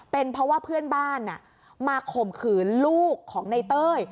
เป็นเพราะว่าเพื่อนบ้านมาข่มขืนลูกของในเต้ย